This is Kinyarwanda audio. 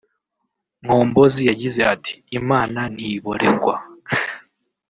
Mkombozi yagize ati “ Imana ntiboregwa